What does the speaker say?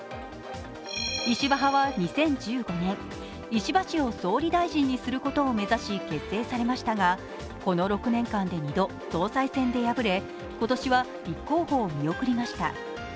石破派は２０１５年、石破氏を総理大臣にすることを目指し結成されましたが、この６年間で２度総裁選で敗れ今年は立候補を見送りました。